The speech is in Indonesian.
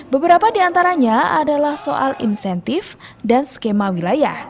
beberapa di antaranya adalah soal insentif dan skema wilayah